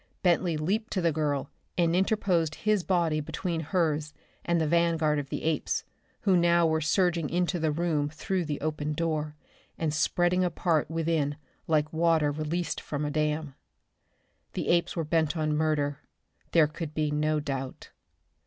Bentley leaped to the girl and interposed his body between hers and the vanguard of the apes, who now were surging into the room through the open door, and spreading apart within like water released from a dam. The apes were bent on murder, there could be no doubt.